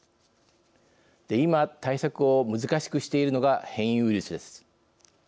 今、対策を難しくしているのが変異ウイルスです。